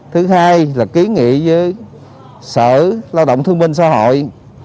thứ hai là ký nghị với sở lao động thương minh xã hội